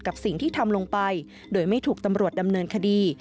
กับสิ่งที่ทำลงไปโดยไม่ถูกตำรวจดำเนินคดี